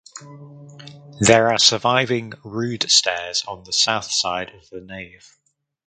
There are surviving rood stairs on the south side of the nave.